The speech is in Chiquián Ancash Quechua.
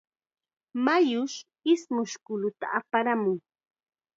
Mayush ismush kulluta aparamun.